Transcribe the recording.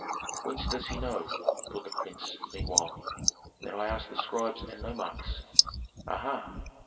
"Whence does he know," thought the prince, meanwhile, "that I asked the scribes and nomarchs? Aha!